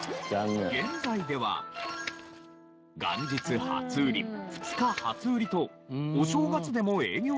現在では元日初売り２日初売りとお正月でも営業しているお店は多いが。